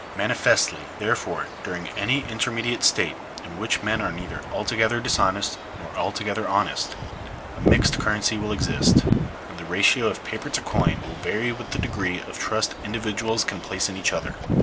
Manifestly, therefore, during any intermediate state, in which men are neither altogether dishonest nor altogether honest, a mixed currency will exist; and the ratio of paper to coin will vary with the degree of trust individuals can place in each other.